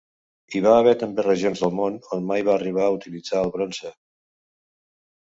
Hi va haver també regions del món on mai va arribar a utilitzar el bronze.